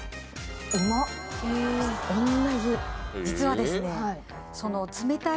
実はですね。